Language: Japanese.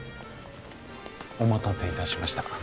お待たせいたしました。